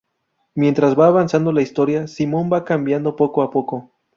Mientras va avanzando la historia, Simon va cambiando poco a poco.